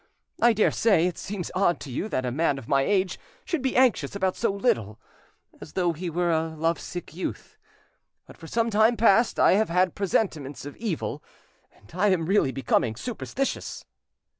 I daresay it seems odd to you that a man of my age should be anxious about so little, as though he were a love sick youth; but for some time past I have had presentiments of evil, and I am really becoming superstitious!"